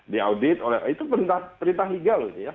diaudit oleh itu perintah legal